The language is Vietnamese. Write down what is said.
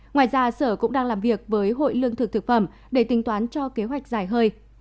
ngoài ra sở cũng đang làm việc với hội lương thực thực phẩm để tính toán cho kế hoạch dài hơi